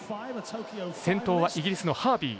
先頭はイギリスのハービー。